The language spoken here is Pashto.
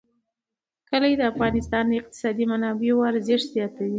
کلي د افغانستان د اقتصادي منابعو ارزښت زیاتوي.